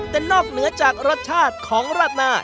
แต่นอกเหนือจากรสชาติของราดหน้า